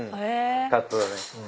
タットだね。